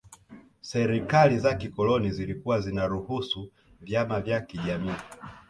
Serikali za kikoloni zilikuwa zinaruhusu vyama vya kijamii